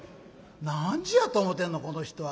「何時やと思てんのこの人は。